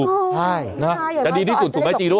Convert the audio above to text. ใช่อย่างนั้นก็อาจจะได้หยกเบี้ยจะดีที่สุดถูกไหมจีโด่ง